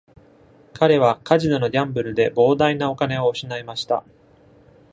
彼はカジノのギャンブルで膨大なお金を失いました。